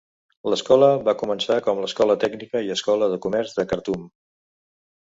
L'escola va començar com l'Escola Tècnica i Escola de Comerç de Khartum.